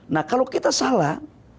nah kalau kita salah